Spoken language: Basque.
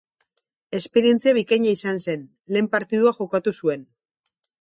Esperientzia bikaina izan zen, lehen partidua jokatu zuen.